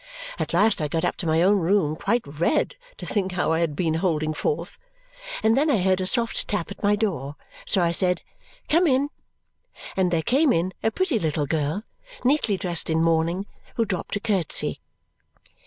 At last I got up to my own room, quite red to think how I had been holding forth, and then I heard a soft tap at my door. So I said, "Come in!" and there came in a pretty little girl, neatly dressed in mourning, who dropped a curtsy.